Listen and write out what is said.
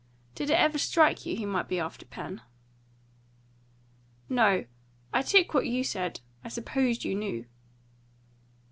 Did it ever strike you he might be after Pen?" "No. I took what you said. I supposed you knew."